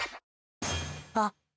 あっ。